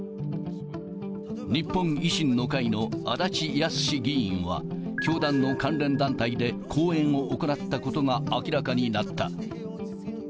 日本維新の会の足立康史議員は、教団の関連団体で講演を行ったことが明らかになった。